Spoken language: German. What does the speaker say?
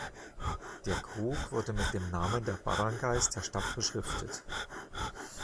Der Krug wurde mit den Namen der Baranggays der Stadt beschriftet.